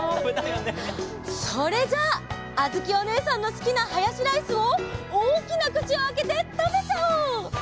それじゃああづきおねえさんのすきなハヤシライスをおおきなくちをあけてたべちゃおう！